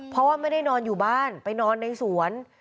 เพราะว่าไม่ได้นอนอยู่บ้านไปนอนในสวน